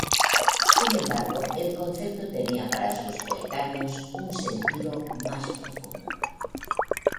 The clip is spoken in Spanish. Sin embargo, el concepto tenía para sus coetáneos un sentido más profundo.